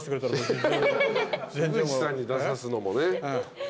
樋口さんに出さすのもね。